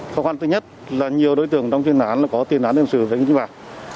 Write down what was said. khó khăn thứ nhất là nhiều đối tượng trong chuyên đoán có tiền đoán đem sử dụng đánh bạc